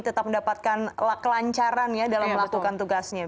tetap mendapatkan kelancaran ya dalam melakukan tugasnya